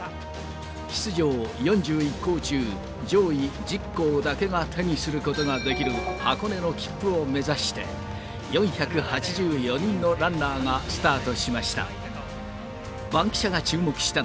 出場４１校中、上位１０校だけが手にすることができる箱根の切符を目指して、４８４人のランナーがスタートしました。